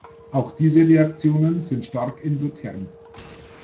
Auch diese Reaktionen sind stark endotherm.